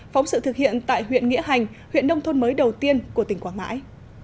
phóng sự thực hiện tại huyện nghĩa hành huyện nông thôn mới đầu tiên của tỉnh quảng ngãi